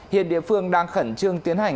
hiện địa phương đang khẩn trương tiến hành